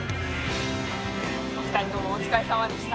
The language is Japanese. お二人ともお疲れさまでした。